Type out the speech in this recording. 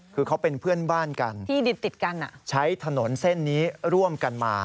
คือเขาเป็นเพื่อนบ้านกันที่ติดกันใช้ถนนเส้นนี้ร่วมกันมา